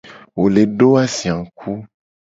Wo le do azia ngku.